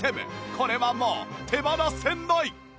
これはもう手放せない！